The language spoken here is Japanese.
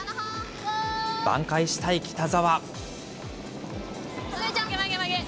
挽回したい北澤。